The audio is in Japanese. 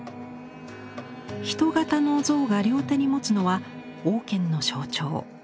人型の像が両手に持つのは王権の象徴。